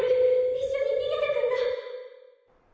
一緒に逃げてくんろ！